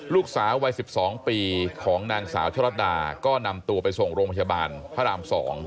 ลูกสาววัย๑๒ปีของนางสาวชะลัดดาก็นำตัวไปส่งโรงพยาบาลพระราม๒